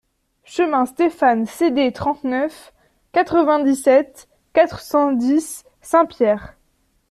Chemin Stéphane Cdtrente-neuf, quatre-vingt-dix-sept, quatre cent dix Saint-Pierre